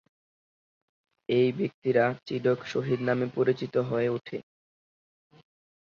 এই ব্যক্তিরা 'চিডক শহীদ' নামে পরিচিত হয়ে ওঠে।